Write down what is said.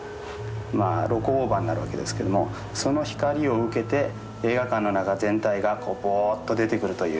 まあ露光オーバーになるわけですけどもその光を受けて映画館の中全体がぼうっと出てくるという。